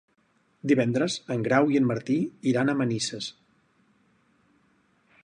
Divendres en Grau i en Martí iran a Manises.